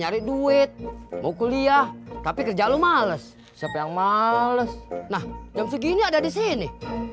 nyari duit mau kuliah tapi kerja lo males siapa yang males nah jam segini ada di sini